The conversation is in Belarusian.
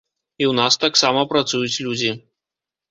І ў нас таксама працуюць людзі.